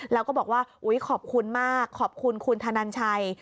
แล้วก็บอกว่าอุ๊ยขอบคุณมากขอบคุณคุณธนันชัย